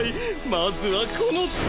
まずはこの手！